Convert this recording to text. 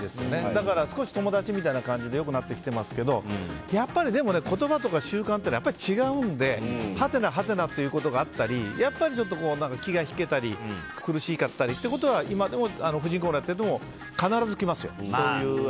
だから、少し友達みたいな感じで良くなってきてますけどやっぱり、言葉とか習慣ってやっぱり違うのではてなはてなってことがあったりやっぱり気が引けたり苦しかったりということは今でも「婦人公論」やっていると必ず来ますよ。